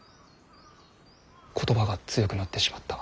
言葉が強くなってしまった。